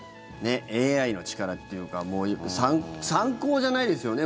ＡＩの力というか参考じゃないですよね。